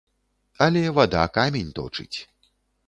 Але вада камень точыць.